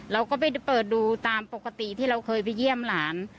เราก็ไปเปิดดูตามปกติที่เราเคยไปเยี่ยมหลาน